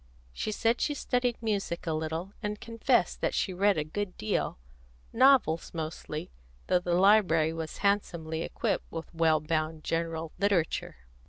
She said she studied music a little, and confessed that she read a good deal, novels mostly, though the library was handsomely equipped with well bound general literature.